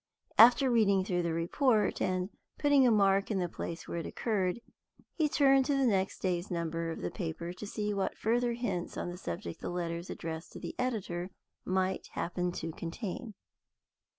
After reading through the report, and putting a mark in the place where it occurred, he turned to the next day's number of the paper, to see what further hints on the subject the letters addressed to the editor might happen to contain.